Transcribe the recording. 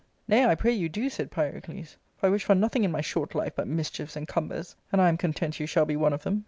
" Nay, I pray you do," said Pyrocles ;" for I wish for nothing in my short life but mischiefs and cumbers, and I am content you shall be one of them."